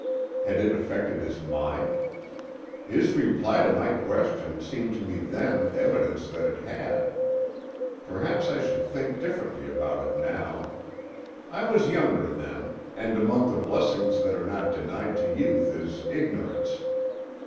Had it affected his mind? His reply to my question seemed to me then evidence that it had; perhaps I should think differently about it now. I was younger then, and among the blessings that are not denied to youth is ignorance.